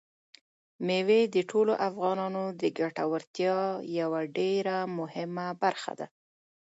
مېوې د ټولو افغانانو د ګټورتیا یوه ډېره مهمه برخه ده.